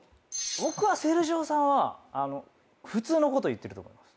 僕はセルジオさんは普通のこと言ってると思います。